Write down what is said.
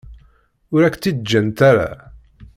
Ur ak-tt-id-ǧǧant ara.